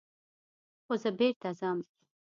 خو زه بېرته ځم.